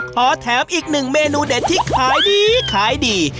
อันนี้เจ๊เหนียวขอแถมอีกหนึ่งเมนูเด็ดที่ขายดีดี